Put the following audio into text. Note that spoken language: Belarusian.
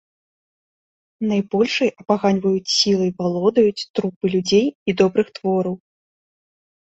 Найбольшай апаганьваюць сілай валодаюць трупы людзей і добрых твораў.